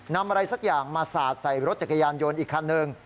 อะไรสักอย่างมาสาดใส่รถจักรยานยนต์อีกคันหนึ่ง